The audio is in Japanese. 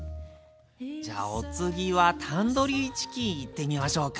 じゃお次はタンドリーチキンいってみましょうか。